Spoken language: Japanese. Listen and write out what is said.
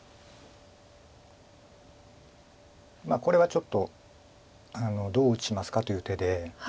まあこれはちょっとどう打ちますかという手で。